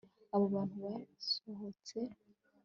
abo bantu basohotse